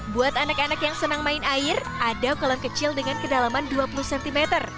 buat anak anak yang senang main air ada kolam kecil dengan kedalaman dua puluh cm